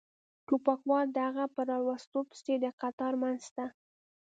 ټوپکوال د هغه په را وستلو پسې د قطار منځ ته.